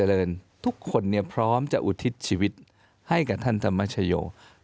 อริสักภรรยสักโก